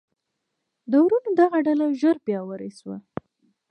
د وروڼو دغه ډله ژر پیاوړې شوه.